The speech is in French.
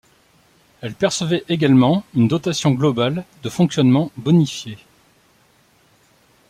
Elle percevait également une dotation globale de fonctionnement bonifiée.